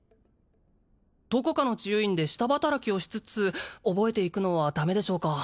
どこかの治癒院で下働きをしつつ覚えていくのはダメでしょうか？